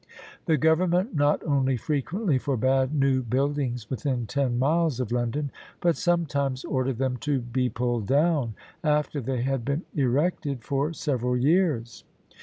The government not only frequently forbade new buildings within ten miles of London, but sometimes ordered them to be pulled down after they had been erected for several years.